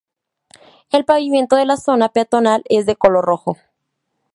El pavimento de la zona peatonal es de color rojo.